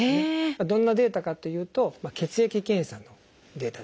どんなデータかというと血液検査のデータですね。